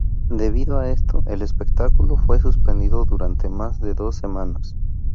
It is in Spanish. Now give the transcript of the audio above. Debido a esto el espectáculo fue suspendido durante más de dos semanas.